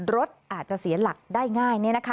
รถอาจจะเสียหลักได้ง่าย